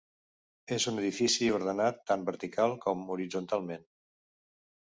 És un edifici ordenat tan vertical com horitzontalment.